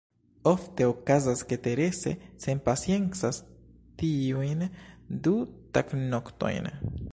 Ofte okazas, ke Terese senpaciencas tiujn du tagnoktojn.